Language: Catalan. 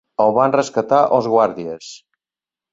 El van rescatar els guàrdies.